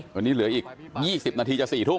วันนี้เหลืออีก๒๐นาทีจะ๔ทุ่ม